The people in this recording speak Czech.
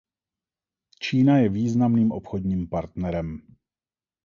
Čína je významným obchodním partnerem.